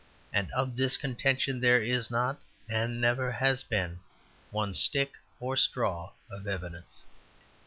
And of this contention there is not, and never has been, one stick or straw of evidence.